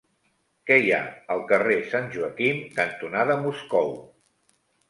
Què hi ha al carrer Sant Joaquim cantonada Moscou?